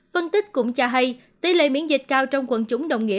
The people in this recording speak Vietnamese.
phân tích cũng cho hay tỷ lệ miễn dịch cao trong quận chủng đồng nghĩa